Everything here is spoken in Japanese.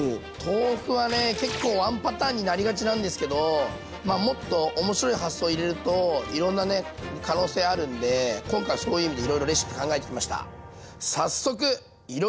豆腐はね結構ワンパターンになりがちなんですけどまあもっと面白い発想入れるといろんなね可能性あるんで今回そういう意味でいろいろレシピ考えてきました。